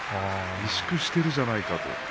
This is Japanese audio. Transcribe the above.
萎縮しているじゃないかと。